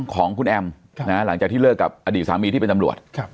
ของคุณแอมหลังจากที่เลิกกับอดีตสามีที่เป็นตำรวจ